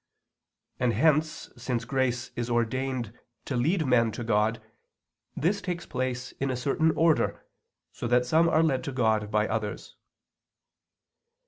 And hence since grace is ordained to lead men to God, this takes place in a certain order, so that some are led to God by others.